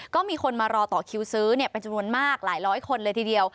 ก็มีคนมารอต่อคิวซื้อเป็นจำนวนมากหลายร้อยคนเลยทีเดียว